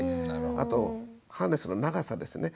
あとハーネスの長さですね。